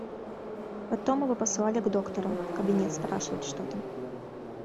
Потом его посылали к доктору в кабинет спрашивать что-то.